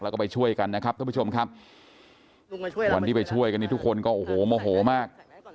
แล้วก็ไปช่วยกันนะครับท่านผู้ชมครับวันที่ไปช่วยกันนี่ทุกคนก็โอ้โหโมโหมาก